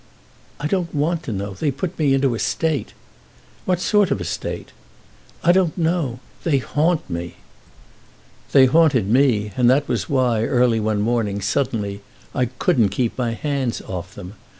"I don't want to know; they put me into a state." "What sort of a state?" "I don't know; they haunt me." "They haunted me; that was why, early one morning, suddenly, I couldn't keep my hands off them.